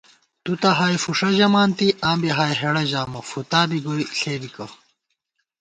تُو تہ ہائے فُوݭہ ژمانتی آں بی ہائے ہېڑہ ژامہ فُتا بی گوئی ݪے بِکہ